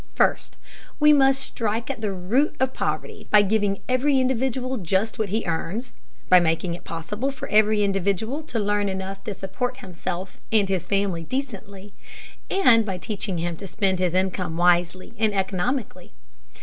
First, we must strike at the root of poverty by giving every individual just what he earns, by making it possible for every individual to earn enough to support himself and his family decently, and by teaching him to spend his income wisely and economically.